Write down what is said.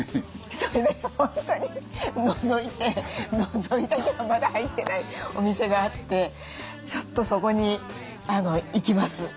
それで本当にのぞいてのぞいたけどまだ入ってないお店があってちょっとそこに行きます。